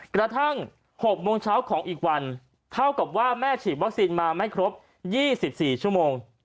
กระทั่ง๖โมงเช้าของอีกวันเท่ากับว่าแม่ฉีดวัคซีนมาไม่ครบ๒๔ชั่วโมง